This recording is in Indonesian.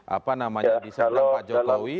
apa namanya di sektor pak jokowi